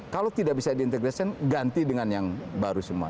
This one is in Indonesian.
kalau tidak bisa diintegrasikan ganti dengan yang baru semua